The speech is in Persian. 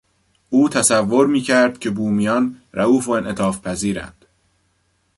او تصور میکرد که بومیان رئوف و انعطافپذیرند.